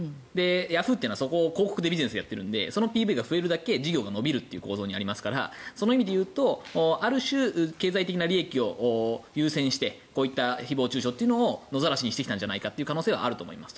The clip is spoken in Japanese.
ヤフーというのはそこを広告でビジネスをやっているのでそのＰＶが増えるだけ事業が伸びるという背景がありますのでその意味で言うとある種、経済的な利益を優先してこういった誹謗・中傷を野ざらしにしてきたんじゃないかという可能性はあると思います。